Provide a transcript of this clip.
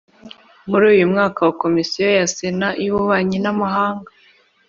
Muri uyu mwaka wa Komisiyo ya Sena y Ububanyi n Amahanga